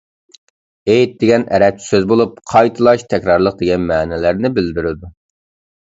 «ھېيت» دېگەن ئەرەبچە سۆز بولۇپ، «قايتىلاش، تەكرارلىق» دېگەن مەنىلەرنى بىلدۈرىدۇ.